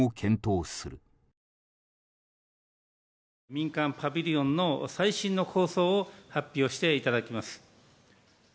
民間パビリオンの最新の構想を発表していただきます。